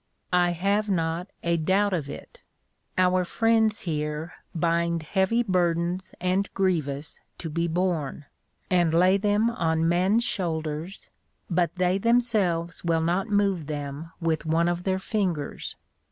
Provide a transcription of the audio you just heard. "I have not a doubt of it. Our friends here 'bind heavy burdens and grievous to be borne, and lay them on men's shoulders, but they themselves will not move them with one of their fingers.'